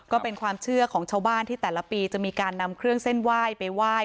ก็เป็นความเชื่อของชาวบ้านที่แต่ละปีจะมีการนำเครื่องเส้นไหว้ไปไหว้